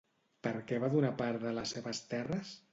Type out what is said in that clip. Per què va donar part de les seves terres?